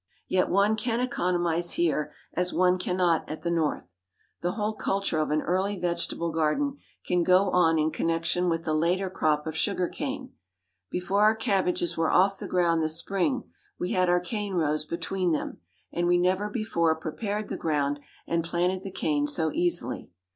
"Yet one can economize here as one cannot at the North. The whole culture of an early vegetable garden can go on in connection with the later crop of sugar cane. Before our cabbages were off the ground this spring, we had our cane rows between them; and we never before prepared the ground and planted the cane so easily.